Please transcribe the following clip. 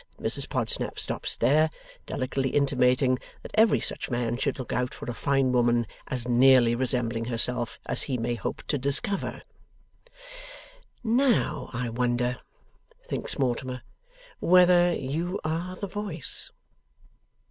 Mrs Podsnap stops there, delicately intimating that every such man should look out for a fine woman as nearly resembling herself as he may hope to discover. ['Now I wonder,' thinks Mortimer, 'whether you are the Voice!